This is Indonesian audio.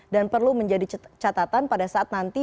dan perlu menjadi catatan pada saat nanti